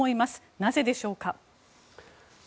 なぜでしょうか？